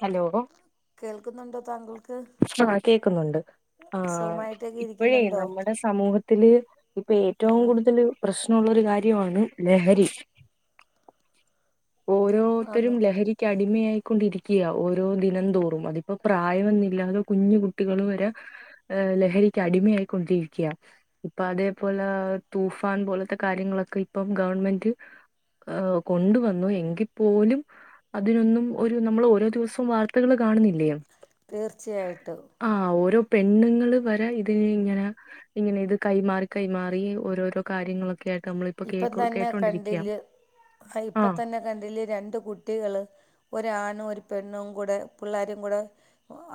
Hello കേൾക്കുന്നുണ്ടോ താങ്കൾ? ആഹ് കേക്കുന്നുണ്ട് ആഹ് സുഖമായിട്ടൊക്കെ ഇപ്പോഴേ ഇരിക്കുന്നുണ്ടോ നമ്മുടെ സമൂഹത്തില് ഇപ്പൊ ഏറ്റവും ആഹ് കൂടുതല് പ്രശ്നമുള്ളൊരു കാര്യമാണ് ലഹരി. ഓരോത്തരും ആന്ന് ലഹരി ക്ക് അടിമയായിക്കൊണ്ടിരിക്കയാ ഓരോ ദിനം തോറും. അതിപ്പോ പ്രായം എന്നില്ലാതെ കുഞ്ഞു കുട്ടികൾ വരെ ഏഹ് ലഹരിക്ക് അടിമയായിക്കൊണ്ടിരിക്കയാ. ഇപ്പൊ അതേപോലെ തൂഫാൻ പോലത്തെ കാര്യങ്ങളൊക്കെ ഇപ്പം ഗവൺമെന്റ്. ആഹ് കൊണ്ടുവന്നു ന്നു എങ്കിൽ പോലും അതിനൊന്നും ഒരു നമ്മൾ ഓരോ ദിവസവും വാർത്തകൾ കാണുന്നില്ല യോ. തീർച്ചയായിട്ടും ആഹ് ഓരോ പെണ്ണുങ്ങള് വരെ ഇതിന് ഇങ്ങനെ. ഇങ്ങനെ ഇത് കൈമാറി കൈമാറി ഓരോരോ കാര്യങ്ങളൊക്കെ ആയിട്ട് നമ്മളിപ്പൊ ഇപ്പം കേട്ടോ തന്നെ കേട്ടോണ്ടിരിക്ക.. കണ്ടില്ല് ആഹ് ഇപ്പ തന്നെ കണ്ടില്ലേ രണ്ട് കുട്ടികള്. ഒരാണും ഒരു പെണ്ണും കൂടെ പുള്ളേരും കൂടെ..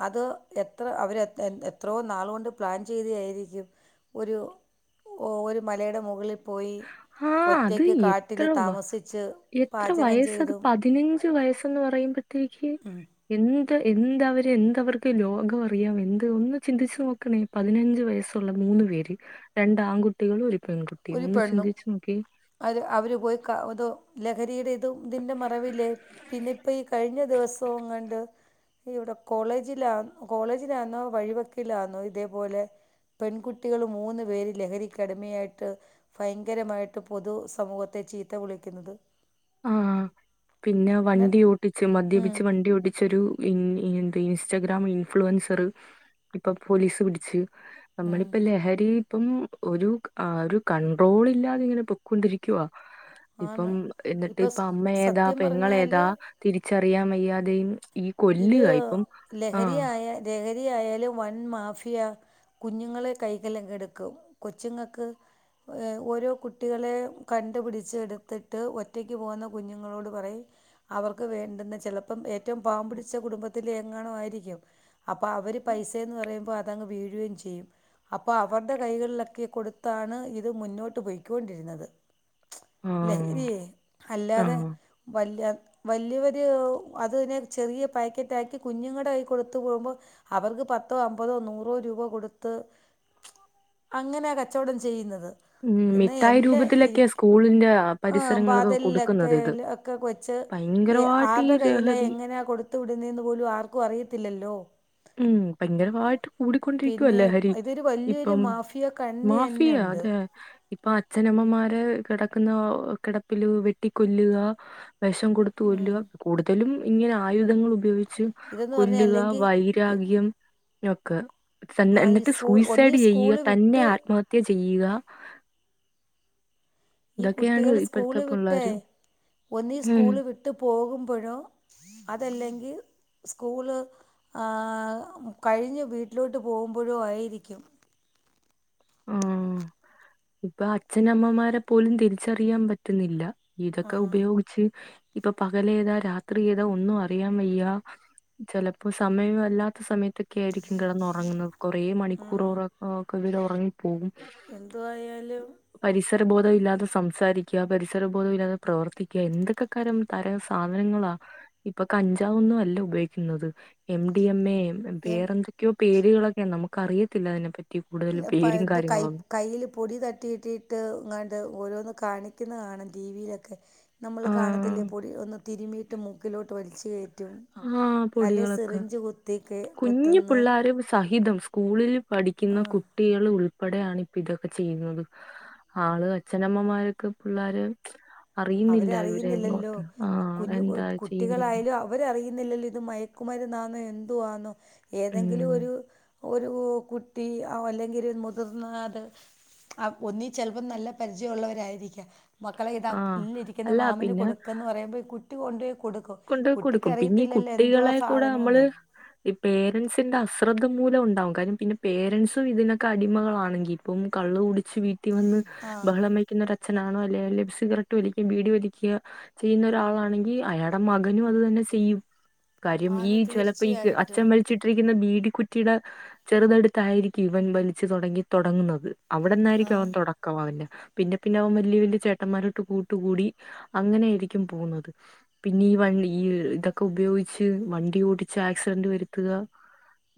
അത് എത്ര അവരെ എത്രയോ നാളുകൊണ്ട് പ്ലാൻ ചെയ്തയായിരിക്കും. ഒരു ഓ ഒരു മലയുടെ മുകളിൽ പോയി.. ആഹ് അത് ഒറ്റയ്ക്ക് എത്ര കാട്ടില് വ താമസിച്ച് എത്ര പാചകം വയസത് ചെയ്തും പതിനഞ്ച് വയസ്ന്ന് പറയുമ്പ.. ക്ക് കീ ഉം എന്ത് എന്ത്‌ അവർക്ക് എന്തവർക്ക് ലോകം അറിയാം എന്ത് ഒന്ന് ചിന്തിച്ചു നോക്കണേ.. പതിനഞ്ച് വയസ്സുള്ള മൂന്ന് പേര് രണ്ട് ആൺകുട്ടികളും ഒരു പെൺകുട്ടിയും ഒന്ന് ചിന്തിച്ചു നോക്കിയെ.. അര് അവർ പോയി ത് കാ തോ ലഹരിയുടെ ഇത് ഇതി്ന്റെ മറവില്.. പിന്നെ ഇപ്പ ഈ കഴിഞ്ഞ ദിവസൊ എങ്ങാണ്ട്.. ഇവിടെ കോളേജിലാ കോളേജിലാന്നോ വഴിവെക്കിലാന്നോ ഇതേപോലെ.. പെൺകുട്ടികൾ മൂന്ന് പേര് ലഹരിക്കടിമയായിട്ട്. ഭയങ്കരമായിട്ട് പൊതു സമൂഹത്തെ ചീത്ത വിളിക്കുന്നത്. ആഹ് പിന്നെ ഞാൻ വണ്ടിഓടിച്ചു ഉം മദ്യപിച്ച് വണ്ടി ഓടിച്ചോരു.. ഈ എന്ത് ഇൻസ്റ്റഗ്രാം ഇൻഫ്ലുവൻസർ ഇപ്പൊ പോലീസ് പിടിച്ച്.. ഉം നമ്മളിപ്പ ലഹരി.. ഇപ്പം ഒരു ആഹ് ഒരു കൺണ്ട്രോൾ ഇല്ലാതിങ്ങനെ പൊക്കൊണ്ടിരിക്കവാ ഇപ്പം.. ആന്ന് എന്നിട്ട് ഇപ്പം ഇപ്പ അമ്മഏതാ സത്യം പെങ്ങളേതാ പറഞ്ഞാൽ തിരിച്ചറിയാൻ വയ്യാതെയും.. ഈ ഇത് കൊല്ലുക ഇപ്പം ആഹ് ലഹരിയായ ലഹരിയായാലും വന് മാഫിയ കുഞ്ഞുങ്ങളെ കൈക്കല്ലങ്ങ് എടുക്കും കൊച്ചുങ്ങക്ക്.. ഓരോ കുട്ടികളെ കണ്ടുപിടിച്ച് എടുത്തിട്ട് ഒറ്റക്ക് പോകുന്ന കുഞ്ഞുങ്ങളോട് പറയും, അവർക്ക് വേണ്ടുന്ന ച്ചെലപ്പം ഏറ്റവും പാവം പിടിച്ച പിടിച്ച കുടുംബത്തിലെ എങ്ങാണും ആയിരിക്കും അപ്പൊ അവര് പൈസയന്ന് പറയുമ്പോ അതങ്ങ് വീഴുകയും ചെയ്യും, അപ്പൊ അവരുടെ കൈകളിലൊക്കെ കൊടുത്താണ് ഇത് മുന്നോട്ട് പോയിക്കൊണ്ടിരുന്നത് ആഹ് ലഹരിയെ അല്ലാതെ.. ആഹ് വല്യ വലിയവര് അത് പിന്നെ ചെറിയ.. പാക്കറ്റ ആക്കി കുഞ്ഞുങ്ങളുടെ കൈയി കൊടുത്തു പോകുമ്പോ. അവർക്ക് പത്തോ അമ്പതോ നൂറോ രൂപ കൊടുത്ത് അങ്ങനെ കച്ചോടം ചെയ്യുന്നത് ഉം എന്നാ മിഠായി എന്റെ രൂപത്തിലൊക്കെയാ ഇരിക്ക സ്കൂളിന്റെ പരിസരങ്ങളൊക്കെ ബാതലിലൊക്കെ കൊടുക്കുന്നത് ഇത് ഒക്കെ വെച്ച് ഏഹ് ഭയങ്കരമായിട്ട് ഈ ആരുടെ കയ്യിലാ ലഹരി എങ്ങനാ കൊടുത്ത് വിടുന്നെന്ന് പോലും ആർക്കും അറിയത്തില്ലല്ലോ ഉം ഭയങ്കരമായിട്ട് കൂടിക്കൊണ്ടിരിക്കുവല്ലേ പിന്നെ ലഹരി ഇതൊരു വലിയൊരു ഇപ്പം മാഫിയ കണ്ണി തന്നെ മാഫിയ ഉണ്ട് അതെ.. ഇപ്പൊ അച്ഛനമ്മമാര് കിടക്കുന്ന കിടപ്പില് വെട്ടിക്കൊല്ലുക, വിഷം കൊടുത്ത ഉം. കൊല്ലുക കൂടുതലും ഇങ്ങനെ ആയുധങ്ങൾ ഉപയോഗിച്ച് ഇതെന്ന് പറഞ്ഞാൽ കൊല്ലുക വൈ.. അല്ലെങ്കിൽ വൈരാഗിയം ഒക്കെ തന്നെ ആ ഈ എന്നിട്ട് സ്കൂൾ ഒന്നീ സൂയിസൈഡ് ചെയ്യുക സ്കൂള് തന്നെ വിട്ട് ആത്മഹത്യ ആത്മഹത്യാ ചെയ്യുക ഈ ഇതൊക്കെയാണ് കുട്ടികൾ ഇപ്പോഴത്തെ സ്കൂള് വിട്ടേ പിള്ളേര്. ഒന്നീ ഉം. സ്കൂള് വിട്ട് പോകുമ്പഴോ, അതല്ലെങ്കിൽ സ്കൂള് ആഹ് കഴിഞ്ഞ് വീട്ടിലോട്ട് പോകുമ്പോഴും ആയിരിക്കും. ഉം ഇപ്പൊ അച്ഛനമ്മമാരെ പോലും തിരിച്ചറിയാൻ പറ്റുന്നില്ല ആ ഇതൊക്കെ ഉപയോഗി ഉപയോഗിച്ച് ഇപ്പൊ പകലെതാ രാത്രി ഏതാ ഒന്നും അറിയാൻ വെയ്യ, ചിലപ്പോ സമയം അല്ലാത്ത സമയത്ത് ഒക്കെ ആയിരിക്കും കിടന്ന് ഉറങ്ങുന്നത് കുറെ ആ മണിക്കൂർ ഉറക്കം കവിൽ ഉറങ്ങിപ്പോകും എന്തു ആയാലും പരിസരബോധം ഇല്ലാതെ സംസാരിക്കുക പരിസരബോധം ഇല്ലാതെ പ്രവർത്തിക്കുക എന്തൊക്കെ തരം തരം സാധനങ്ങളാ ഇപ്പൊ കഞ്ചാവ് ഒന്നും അല്ല ഉപയോഗിക്കുന്നത് M D M A M വേറെ എന്തൊക്കെയോ പേരുകളൊക്കെ നമുക്ക് അറിയത്തില്ല അതിനെപ്പറ്റി കൂടുതൽ പ്പ പേരും എന്ത് കൈ കാര്യങ്ങളൊന്നും കയ്യിൽ പൊടി തട്ടിട്ട് കിട്ടിയിട്ട് ഇങ്ങാണ്ട് ഓരോന്ന് കാണിക്കുന്ന കാണും ടി വിയിലൊക്കെ നമ്മൾ ആഹ് കാണത്തില്ലേ പൊടി ഒന്ന് തിരുമിയിട്ട് മൂക്കിലോട്ട് വലിച്ച കയറ്റ ആഹ പൊടികളൊക്കെ കുത്തി കേ- കുഞ്ഞു കുത്തുന്നു പിള്ളോര സഹിതം സ്കൂളിൽ പഠിക്കുന്ന കുട്ട ആഹ് കുട്ടികൾ ഉൾപ്പെടെയാണ് ഇപ്പ ഇതൊക്കെ ചെയ്യുന്നത് ആള് അച്ഛനമ്മമാരൊക്കെ പിള്ളോര് അറിയുന്നില്ല ഇവരെ അവരറിയുന്നില്ലല്ലോ ഇങ്ങോട്ട് ആ എന്താ ചെയ്യുന്ന ഇവരറിയുന്നില്ലല്ലോ ഇത് മയക്കുമരുന്നാന്നോ എന്ത്‌ ആന്നോ ഏതെങ്കിലും ഉം ഒരു ഒരു കുട്ടി അല്ലെങ്കിൽ മുതിർന്ന അത് ആ ഒന്നി ചിലപ്പോം നല്ല പരിചയ ഉള്ളവരായിരിക്കാം മക്കളെ ഇതാ ആഹ് ഇല്ലിരിക്കുന്ന അല്ല മാമന് പിന്നെ കൊടുക്ക എന്ന് പറയുമ്പോൾ ഈ കുട്ടി കൊണ്ടുപോയി കൊടുക്കും കൊണ്ട കൊടുക്കും പിന്നെ ഈ കുട്ടിക്കറിയത്തില്ലല്ലോ എന്തുവാ കുട്ടികളെ കൂടെ നമ്മള് സാധനമെന്ന് ഈ പേരൻറ്സിന്റെ അശ്രദ്ധ മൂലം ഉണ്ടാവും കാര്ണം പിന്നെ പേരൻറ്സും ഇതിനൊക്കെ അടിമകളാണെങ്കിൽ അപ്പം കള്ള് കുടിച്ച് വീട്ടിൽ വന്ന് ആഹ് ബഹളമായി ഒര അച്നാണോ അല്ലെസിഗററ്റ് വലിക്കുക ബീഡി വലിക്കുക ചെയ്യുന്ന ഒരാളാണെങ്കിൽ അയാൾ നടെ മകനും അത് തന്നെ ചെയ്യും കാര്യം ഈ ആന്ന് ചിലപ്പോ ഈ തീർച്ചയായിട്ടും അച്ഛൻ വളി വച്ചിട്ടിരിക്കുന്ന ബീടിക്കുറ്റിയുടെ ചെറുതടുത്തായിരിക്കും ഇവൻ വലിച്ചു തുടങ്ങി തുടങ്ങുന്നത് അവിടെന്നായിരിക്കും ആഹ് അവൻ തുടക്കം പിന്നെ പിന്നെ അവൻ വലിയ വലിയ ചേട്ടന്മാരോട്ട് കൂട്ട് കൂടി അങ്ങനൊയിരിക്കും പോകുന്നത് പിന്നെ ഈ വണ്ടി ഈ ഇതൊക്കെ ഉപയോഗിച്ച് വണ്ടി ഓടിച്ച് ആക്സിഡന്റ് വരുത്തുക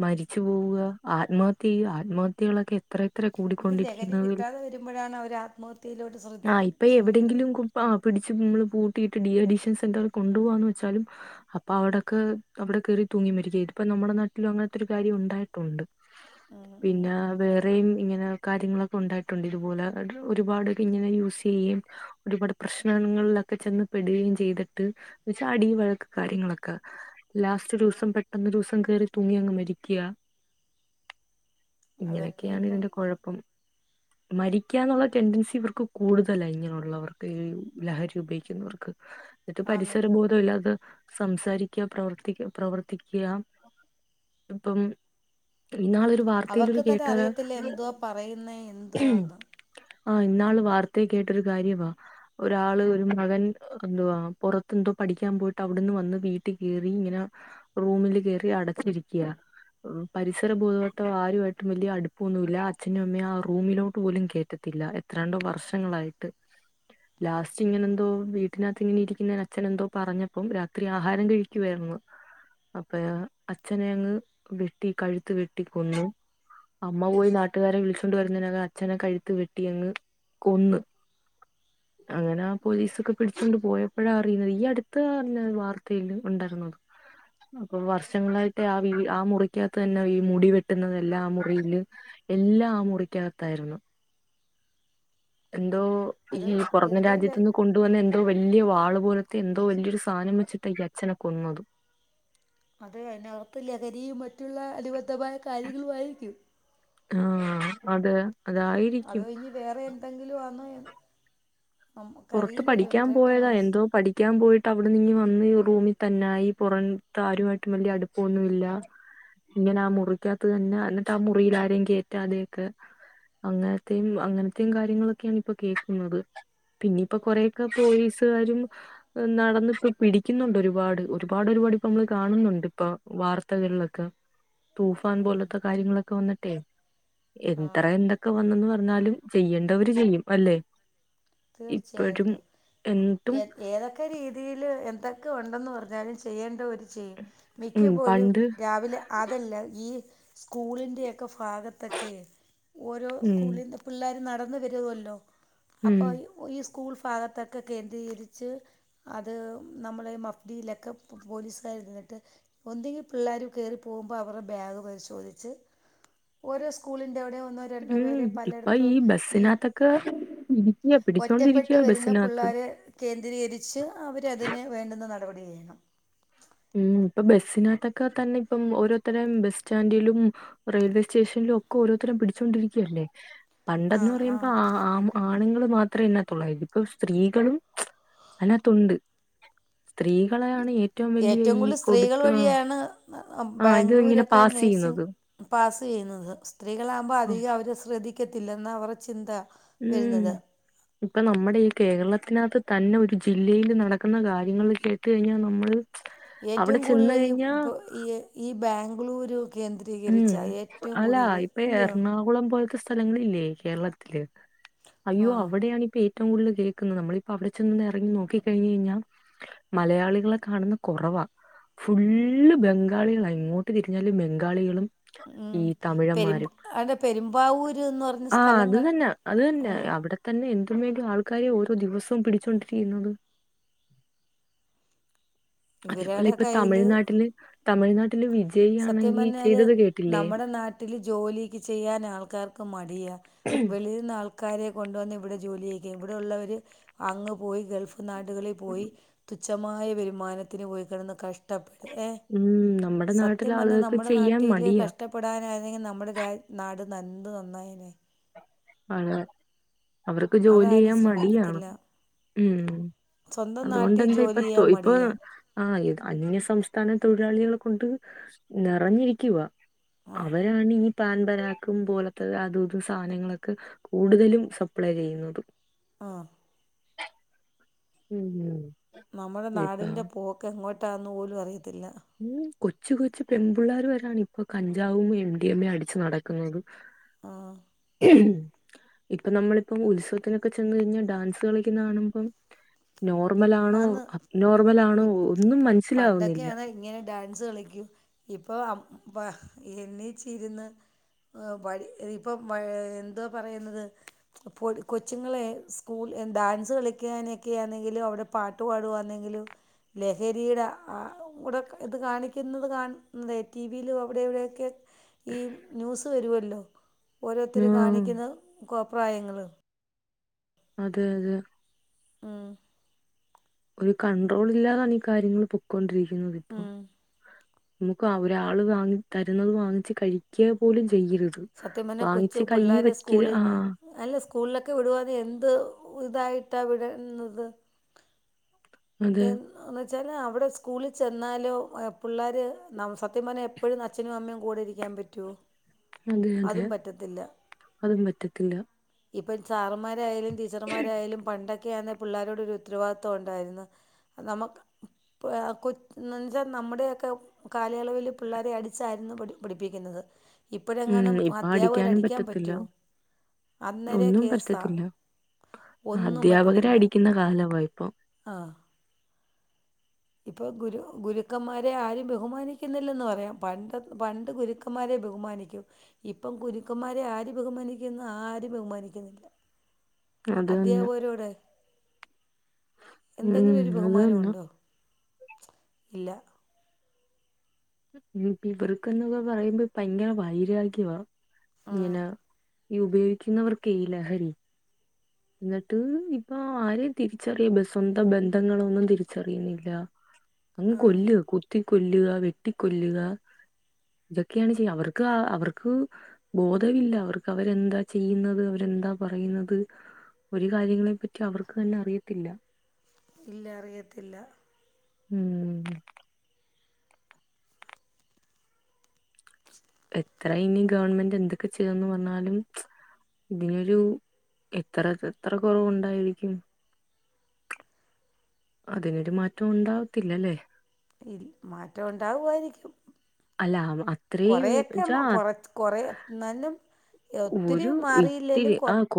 മരിച്ചു പോവുക ആത്മഹത്യ ആത്മഹത്യകളൊക്കെ അത്ര എത്ര ഇത് ലഹരി കൂടിക്കൊണ്ടിരിക്കുന്നത് കിട്ടാതെ വരുമ്പോഴാണ് അവർ ആത്മഹത്യയിലോട്ട് ആ ശ്രദ്ധിക്കുന്നത് ഇപ്പൊ എവിടെയെങ്കിലും ശ്രമിക്കുന്നത് ആ പിടിച്ച് നമ്മള് പൂട്ടിയിട്ട് ഡിഹൈഡീഷൻ സെന്ററിൽ കൊണ്ടു പോവാന്ന് വെച്ചാലും അപ്പൊ അവിടൊക്കെ അവിടെ കയറി തൂങ്ങി മരിക്ക ഇതിപ്പ നമ്മുടെ നാട്ടിലും അങ്ങനത്തെ ഒരു കാര്യം ഉണ്ടായിട്ട് ണ്ട് ഉം ഉം പിന്നെ വേറെയും ഇങ്ങനെ കാര്യങ്ങളൊക്കെ ഉണ്ടായിട്ടുണ്ട് ഇതുപോലെ ഒരുപാട്ക്കെ ഇങ്ങനെ യൂസ് ചെയ്യയും ഒരുപാട് പ്രശ്നങ്ങളിലൊക്കെ ചെന്ന് പെടുകയും ചെയ്തിട്ട് എന്ന വച്ചാ അടിവിളക്ക് കാര്യങ്ങളൊക്കെ ലാസ്റ്റ് ദിവസം പെട്ടന്ന് ദിവസം കേറി തൂങ്ങി അങ്ങ് മരിക്കുക അതൊക്കെ ഇങ്ങനെയൊക്കെയാണ് ഇപ്പം ഇതിന്റെ കുഴപ്പം മരിക്കാനുള്ള ടെൻഡൻസി ഇവർക്ക് കൂടുതലായി ഇങ്ങനെയു ള്ളവർക്ക് ഈ ലഹരി ഉപയോഗിക്കുന്നവർക്ക് ഇട്ടു ആന്ന് പരിസര ബോധം അല്ലാത സംസാരിക്ക പ്രവർത്തി പ്രവർത്തിക്കുക ഇപ്പം ഇന്നാളൊരു വാർത്തയിൽ ഒരു അവർക്ക് തന്നെ കേട്ടരാ അറിയത്തില്ല എന്തുവാ പറയുന്നത് എന്തുവാന്ന് ആ ഇന്നാള് വാർത്തയ കേട്ടൊരു കാര്യവാ ഒരാള് ഒരു മകൻ എന്തുവാ പുറത്തെ എന്തോ പഠിക്കാൻ പോയിട്ട് അവിടുന്ന് വന്ന് വീട്ടിൽ കേറി ഇങ്ങനെ റൂമില് കയറി അടച്ചിരിക്കയാ പരിസര ബൂധവട്ടം ആരുമായിട്ടും വലിയ അടുപ്പൊന്നുമില്ല അഛനും അമ്മയും ആ റൂമിലോട്ട് പോലും കേറ്റത്തില്ല ഇത്രണ്ടോ വർഷങ്ങളായിട്ട് ലാസ്റ്റ് ഇങ്ങനെന്തോ വീട്ടിനകത്ത് ഇങ്ങനെ പിന്നൻ അച്ഛൻ എന്തോ പറഞ്ഞപ്പം രാത്രി ആഹാരം കഴിക്കുവായിരുന്നു അപ്പ അച്ഛനെ അങ്ങ് വെട്ടി കഴുത്ത് വെട്ടി കൊന്നു അമ്മ പോയി നാട്ടുകാരെ വിളിച്ചൊണ്ട് വരുന്നതിനകം അച്ഛനെ കഴുത്ത് വെട്ടിയ അങ്ങ് കൊന്ന് അങ്ങനെ ആ പോലീസ ഒക്കെ പിടിച്ചുകൊണ്ട് പോയ അപ്പഴാ അറിയ്ന്നത് ഈ അട്ത്ത് പർഞ്ഞ വാർത്തയില്ല് ഉണ്ടായ്രുന്നുന്ന് അപ്പം വർഷങ്ങളായിട്ട് ആ വീട് ആ മുറിക്കകത്ത് തന്നെ ഈ മുടി വെട്ടുന്നതെല്ലാം ആ മുറിയില് എല്ലാം ആ മുറിക്കകത്തായിരുന്നു എന്തോ അത് ഈ പൊറങ്ങ് എന്തോ ലെ രാജ്യത്തിന്ന് കൊണ്ട് കൊണ്ട്‌ വന്ന എന്തോ വല്ല്യ വാള് പോലത്തെ എന്തോ വല്യരു സാനം വെച്ചിട്ട ഈ അഛനെ കൊന്നത് അത് അയ്നകത്ത് ലഹരിയും മറ്റുള്ള അനുബദ്ധമായ കാര്യങ്ങളുമായിരിക്കും ആ അതെ അതോ അതായിരിക്ക്യും ഇനി വേറെ എന്തെങ്കിലു ആന്നോ എന്ന് പുറത്ത് പഠിക്ക്യാൻ ഇവരെയൊക്കെ പോയതാ മനസ്സ് എന്തോ പഠിക് ഠിക്ക്യാൻ പോയിട്ട് അവ്ട്ന്നിങ്ങ് വന്ന് റൂമിൽ തന്നായി പുറൻത്ത് ആരുമായിട്ടും വല്യ അടുപ്പൊന്നു ഇല്ല ഇങ്ങനെ ആ മുറിക്കകത്ത് തന്നെ എന്നിട്ട് ആ മുറിയിൽ ആരേം കേറ്റാതെയൊക്കേ അങ്ങനത്തെയും അങ്ങനത്തെയും കാര്യങ്ങളൊക്കെയാണ് ഇപ്പോ കേക്കുന്നത് പിന്നെ ഇപ്പ കൊറേയെക്കെ പോലീസുകാരും ഉം നടന്നിപ്പ പിടിക്ക്യന്നൊണ്ടൊരുപാട് ഒരുപാട് ഒരുപാട് ഇപ്പ മ്മ്ള് കാണുന്നുണ്ട് ഇപ്പ വാർത്തകൾലൊക്ക തൂഫാൻ പോലൊത്ത കാര്യങ്ങളൊക്കെ വന്നിട്ടെയ് എത്ര ആ എന്തൊക് ഒക്കെ വന്നന്ന് പറഞ്ഞാലും ചെയ്യണ്ടവര് ചെയ്യും അല്ലെ ഇപ്പോഴും തീർച്ചയായിട്ടും എന്നിട്ടും ഏത് ഏതൊക്ക രീതിയില് എന്തക്ക ഒണ്ടന്ന് പറഞ്ഞാലും ചെയ്യേണ്ടവര് ചെയ്യും ഉം മിക്കപ്പോഴും പണ്ട് രാവിലെ അതല്ല ഈ സ്കൂളിൻ്റയെക്കെ ഭാഗത്തൊക്കെ ഓരോ ഉം സ്കൂളിൻ്റെ പിള്ളേര് നടന്ന് വരുവല്ലോ ഉം അപ്പൊ ഈ സ്കൂൾ ഫാഗത്തക്കെ കേന്ദ്രീകരിച്ച് അത് നമ്മളെ ഈ മഫ്‌ ദിയിലക്കെ പൊ പോലീസുകാര് ഇരുന്നിട്ട് ഒന്നെങ്കി പിള്ളേര് കേറിപ്പോകുമ്പോ അവറെ ബാഗ് പരിശോധിച്ച് ഓരോ സ്കൂളിന്റവിടെ ഒന്നോ ര രണ്ടോ ഉം പേരെ ഇപ്പൊ പലട്ത്തും ഈ ബസ്സിനകത്തൊക്കെ ഇരിക്ക ഒറ്റപ്പെട്ട് പിടിച്ചോണ്ടിരിക്കയാ വരുന്ന ബസ്സിനകത്ത് പിള്ളാരെ കേന്ദ്രീകരിച്ച് അവരതിനേ വേണ്ടുന്ന നടപടി എയ്യണം ഉം ഇപ്പ ബസ്സിനക് ത്തൊക്കെ തന്നെ ഇപ്പം ഓരോത്തരെ ബസ് സ്റ്റാന്റിലും റെയിൽവേ സ്റ്റേഷനിലും ഒക്കെ ഓരോത്തരേം പിടിച്ചൊണ്ടിരിക്കയല്ലേ പണ്ട്‌ ആ എന്ന് ആ പറയുമ്പ ആമു ആണുങ്ങള് മാത്രേ ഇതിനകത്തോള്ളായിരുന്നു ഇപ്പോ സ്ത്രീകളും അയ്നകത്തുണ്ട് സ്ത്രീകളെയാണ് ഏറ്റവും വലിയ ഏറ്റവും ഈ കൂടുതല് സ്ത്രീകള് കൊടുത്ത് വഴിയാണ് ആ ഇത് ഇങ്ങനെ ബാംഗ്ലൂരൊക്കെ പാസ് നേഴ്സിങ് ചെയ്യുന്നത് പാസ് ചെയ്യുന്നത് സ്ത്രീകളാവുമ്പ അധികം അവരെ ശ്രദ്ധിക്കത്തില്ലെന്നാ അവറെ ചിന്ത വരുന്നത് ഇപ്പ നമ്മുടെ ഈ കേരളത്തിനകത്ത് തന്നെ ഒരു ജില്ലയില് നടക്കുന്ന കാര്യങ്ങള് കേട്ട് കഴിഞ്ഞാ നമ്മള് അവിടെ ഏറ്റവും ചെന്ന് കൂടുതല് ഈ കഴിഞ്ഞാ പ്പൊ ഈ ഈ ബാംഗ്ലൂരു കേന്ദ്ര ഉം അല്ല ഇപ്പ എർണാങ്കുളം പോൽത്തെ സ്ഥേ സ്ഥലങ്ങളില്ലേ കേരളത്തില് അയ്യോ ആ അവ്ടെയാണ് ഇപ്പ ഏറ്റ് ഏറ്റവും കൂടുതല് കേൾക്കുന്നത് നമ്മളിപ്പ അവ്ടെ ചെന്ന് എറങ്ങി നോക്കി കഴിഞ്ഞു കഴിഞ്ഞാ മലയാളികളെ കാണുന്ന കൊറവാ ഫുള്ള് ബംഗാളികളാ എങ്ങോട്ട് തിരിഞ്ഞാലും ബംഗാളികളും ഉം ഈ പെരുമ്പ തമിഴന്മാരും അല്ല പെരുമ്പാവൂര് എന്ന് പറഞ്ഞ ആ അത് സ്ഥലങ്ങൾ തന്നെ അത് തന്നെ ഉം അവിടെ തന്നെ എന്തും വേണ്ടീ ആൾക്കാരെയാ ഓരോ ദിവസവും പിടിച്ചൊണ്ടിരിക്കുന്നത് അതേപോലെ ഇവരുടെ ഇപ്പ കയ്യിൽ തമിഴ്നാട്ടില് തമിഴ്നാട്ടില് സത്യം വിജയിയാണെങ്കി പറഞ്ഞാല് ചെയ്തത് കേട്ടില്ലേ നമ്മുടെ നാട്ടില് ജോലിക്കെ ചെയ്യാൻ ആൾക്കാർക്ക് മടിയാ വെളീന്ന് ആൾ ക്കാരെ കൊണ്ടുവന്ന് ഇവിടെ ജോലി ചെയ്യിക്കും ഇവിടെയുള്ളവര് അങ്ങ് പോയി ഗൾഫ് നാടുകളിൽ പോയി തുച്ഛമായ വരുമാനത്തിന് പോയി കെടന്ന് കഷ്ടപ്പെടും ഏഹ് ഉം നമ്മടെ നാട്ടിലെ ആളുകൾക്ക് ചെയ്യാൻ മടിയാ പ്പെടാനായിരുന്നെങ്കി നമ്മടെ രാ നാട് എന്ത് നന്നായേനെ അതെ അവർക്ക് ജോലി അതാരും ചെയ്യാൻ മടിയാണ് ശ്രമിക്കത്തില്ല. ഉം സ്വന്തം നാട്ടിൽ അതുകൊണ്ടന്താ ഇപ്പ ജോലി ചെയ്യാൻ [unintelligible] ഇപ്പാ മടിയാ. ആഹ് ഇത് അന്യ സംസ്ഥാന തൊഴിലാളികളെ കൊണ്ട് നെറഞ്ഞിരിക്കുവാ ആ അവ ആണ് ഈ പാൻ പരാഗും പോലത്തത് അതുതും സാനങ്ങള് ക്കെ കൂടുതലും സപ്ലെ ചെയ്യുന്നതും ആഹ് ഉം ഉം. നമ്മടെ ഇപ്പ നാടിന്റെ പോക്ക് എങ്ങോട്ടാന്ന് പോലും അറിയത്തില്ലാ. ഉം കൊച്ചു കൊച്ചു പെൺമ്പിള്ളേര് വരാണ് ഇപ്പൊ കഞ്ചാവും എം ഡി എമ്മേ അടിച്ച് നടക്കുന്നത്. [inaudible] ആഹ്. [inaudible] ഇപ്പൊ നമ്മളിപ്പം ഉത്സവത്തിനൊക്കെ ചെന്ന് കഴിഞ്ഞാ ഡാൻസ് കളിക്കുന്ന കാണുമ്പം നോർമലാണോ ആന്ന് അബ്നോർമലാണോ ഒന്നും മനസ്സിലാവുന്നില്ല. പണ്ടൊക്കെയാണ് ഇങ്ങനെ ഡാൻസ് കളിക്കും ഇപ്പൊ ആബ് പാ എണ്ണിച്ചിര്ന്ന് ആഹ് വഴി ഏഹ് ഇപ്പം മാ എന്തുവാ പറയുന്നത് പൊടി കൊച്ചുങ്ങളെ സ്കൂൾ എ ഡാൻസ് കളിക്കാനെക്കെയാന്നെങ്കിലും അവിടെ പാട്ട് പാടുവാന്നെങ്കിലും ലഹരീടെ ആഹ് കൂടെ ഇത് കാണിക്കുന്നത് കാൺ ഏഹ് ടി വിയിലും അവിടെവിടെയൊക്കെ ഈ ന്യൂസ് വരുവല്ലോ ഓരോരുത്തര് ആഹ് കാണിക്കുന്ന കോപ്രായങ്ങള്? അതെ അതെ. ഉം. ഒരു കൺട്രോളില്ലാതാണ് ഈ കാര്യങ്ങള് പൊക്കോണ്ടിരിക്കുന്നത് ഇപ്പം ഉം നമ്മക്ക് അവ ഒരാള് വാങ്ങി തരുന്നത് വാങ്ങിച്ച് കഴിക്ക പോലും ചെയ്യരുത്. സത്യം പറഞ്ഞാ കൊച്ചു വാങ്ങിച്ച് കൈ പിള്ളേര് വെക്കല് സ്കൂളി ആഹ് അല്ല സ്കൂളിലൊക്കെ വിടുവാന്നെ എന്ത് ഉ ഇതായിട്ടാ വിട്ന്നത്? അതെ എൻ എന്ന് വെച്ചാല് അവിടെ സ്കൂളിൽ ചെന്നാലും ആഹ് പിള്ളേര് ന സത്യം പർഞ്ഞാ എപ് എപ്പഴും അച്ഛനും അമ്മയും കൂടെ ഇരിക്കാൻ പറ്റോ? അതെ അതെ അതും പറ്റത്തില്ലാ. ഇപ്പം സാറന്മാരായാലും ടീച്ചർമാരായാലും പണ്ടൊക്കെയാന്നെ പിള്ളേരോട് ഒരു ഉത്തരവാദിത്തം ഒണ്ടായിരുന്നു. അത് നമ്മക്ക് [unintelligible] കൊച് എന്നാന്ന് വെച്ചാ നമ്മടെ ഒക്കെ കാലയളവില് പിള്ളേരെ അടിച്ചായിരുന്നു പഠി പഠിപ്പിക്കുന്നത്. ഉം ഇപ്പോഴെങ്ങാനും ഇപ്പൊ അധ്യാപകർ അടിക്കാനും അടിക്കാൻ പറ്റത്തില്ലാ പറ്റുമോ അന്നേരെ ഒന്നും കേസാ പറ്റത്തില്ലാ. അദ്ധ്യാപകരെ അടിക്കുന്ന കാലവാ ഇപ്പം. ആഹ്. ഇപ്പൊ ഗുരു ഗുരുക്കന്മാരെ ആരും ബഹുമാനിക്കുന്നില്ലെന്ന് പറയാം പണ്ട് പണ്ട് ഗുരുക്ക് ക്കന്മാരെ ബഹുമാനിക്കും ഇപ്പം ഗുരുക്കന്മാരെ ആര് ബഹുമാനിക്കുന്നു ആരും ബഹുമാനിക്കുന്നില്ലാ. അത് തന്നെ ഉം അത് തന്നെ. ഇല്ലാ. ഇപ്പ ഇവർക്കെന്ന് പറയുമ്പോ ഭയങ്കര വൈരാഗ്യവാ ആ ഇങ്ങനെ ഈ ഉപയോഗിക്കുന്നവർക്കേ ഈ ലഹരി എന്നിട്ട് ഇപ്പൊ ആരെയും തിരിച്ചറിയ സ്വന്ത ബന്ധങ്ങളൊന്നും തിരിച്ചറിയുന്നില്ല. അങ്ങ് ആ കൊല്ലുവ കുത്തി കൊല്ലുക വെട്ടിക്കൊല്ലുക ഇതൊക്കെയാണ് ചെയ്യ അവർക്ക അവർക്ക് ബോധവില്ല അവർക്ക് അവരെന്താ ചെയ്യുന്നത് അവരെന്താ പറയുന്നത് ഒരു കാര്യങ്ങളെ പറ്റിയും അവർക്ക് തന്നെ അറിയത്തില്ല. ഇല്ല അറിയത്തില്ല. ഉം [inaudible] എത്ര ഇനി ഗവൺമെന്റ് എന്തൊക്കെ ചെയ്തന്ന് പറഞ്ഞാലും ഇതിനൊരു എത്ര എത്ര കൊറവുണ്ടായിരിക്കും അതിനൊരു മാറ്റോം ഉണ്ടാവത്തില്ലല്ലേ ഇ മാറ്റം ഉണ്ടാവുമായിരിക്കും അല്ല അത്രയും കൊറെയൊക്കെ ച്ചാ കൊറച്ച് കൊറെ ന്നാലും ഒത്തിരി ഒരു മാറിയില്ലേലും ഇത്തിരി കൊ ആ